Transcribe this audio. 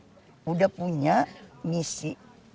sudah punya misi